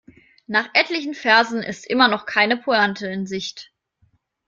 Nach etlichen Versen ist immer noch keine Pointe in Sicht.